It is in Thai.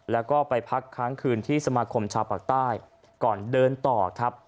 แล้วก็ไปพักค้างคืนที่สมาคมชาวปากใต้ก่อนเดินต่อครับ